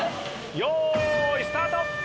よーいスタート！